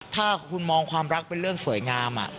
ถ้าคุณมองความรักเป็นเรื่องสวยงาม